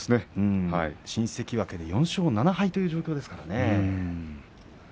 新関脇で４勝７敗という状況ですからね。